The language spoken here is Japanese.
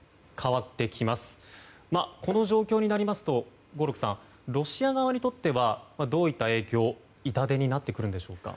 この状況になりますと合六さん、ロシア側にとってはどういった影響痛手になってくるんでしょうか。